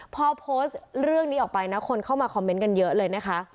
พอโพสต์เรื่องนี้ออกไปนะคนเข้ามาคอมเมนต์กันเยอะเลยนะคะ